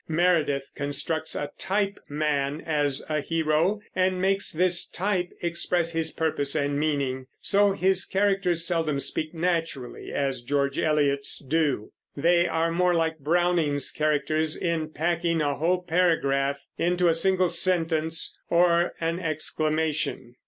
Meredith constructs a type man as a hero, and makes this type express his purpose and meaning. So his characters seldom speak naturally, as George Eliot's do; they are more like Browning's characters in packing a whole paragraph into a single sentence or an exclamation.